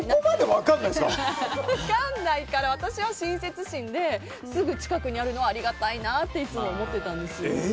分かんないから私は親切心ですぐ近くにあるのはありがたいなっていつも思ってたんですよ。